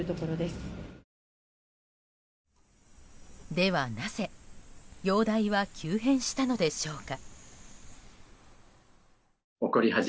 では、なぜ容体は急変したのでしょうか。